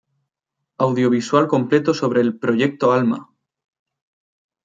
Audiovisual completo sobre el "Proyecto Alma".